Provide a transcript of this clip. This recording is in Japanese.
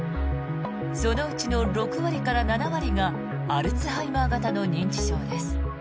そのうちの６割から７割がアルツハイマー型の認知症です。